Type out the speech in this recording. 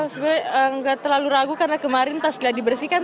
sebenarnya enggak terlalu ragu karena kemarin tas tidak dibersihkan